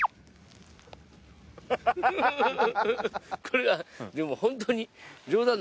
これはでも本当に。